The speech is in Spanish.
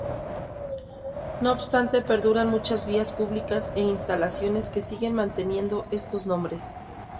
No obstante perduran muchas vías públicas e instalaciones que siguen manteniendo estos nombres.